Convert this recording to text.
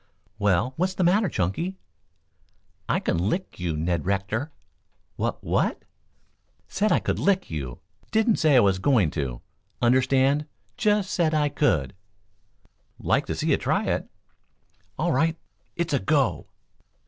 "Well, what's the matter, Chunky?" "I can lick you, Ned Rector!" "Wha what?" "Said I could lick you. Didn't say I was going to, understand. Just said I could " "Like to see you try it." "All right; it's a go."